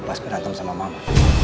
pas kedatang sama mama